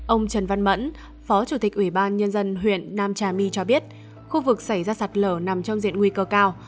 ông trần văn mẫn phó chủ tịch ủy ban nhân dân huyện nam trà my cho biết khu vực xảy ra sạt lở nằm trong diện nguy cơ cao